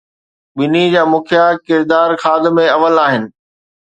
ٻنهي جا مکيه ڪردار خادم اول آهن.